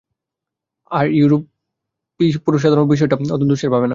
আর ইউরোপী পুরুষসাধারণ ও-বিষয়টা অত দোষের ভাবে না।